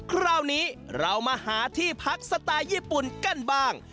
คราวนี้เรามาหาที่พักสไตล์ญี่ปุ่นกันบ้าง